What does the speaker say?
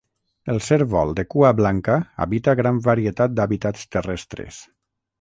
El cérvol de cua blanca habita gran varietat d'hàbitats terrestres.